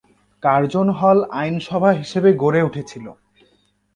Curzon Hall আইনসভা হিসেবে গড়ে উঠেছিল।